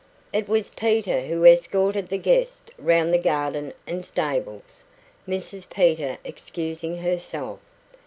It was Peter who escorted the guest round the garden and stables, Mrs Peter excusing herself.